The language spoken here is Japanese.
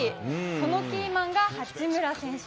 そのキーマンが八村選手。